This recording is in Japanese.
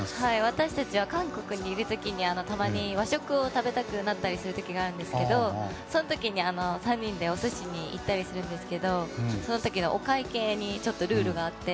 私たちは韓国にいる時にたまに和食を食べたくなることがあるんですけどその時に３人でお寿司に行ったりするんですけどその時のお会計にちょっとルールがあって。